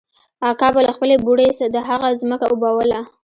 اکا به له خپلې بوړۍ د هغه ځمکه اوبوله.